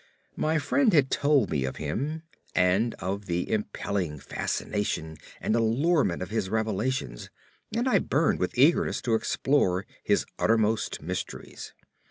My friend had told me of him, and of the impelling fascination and allurement of his revelations, and I burned with eagerness to explore his uttermost mysteries.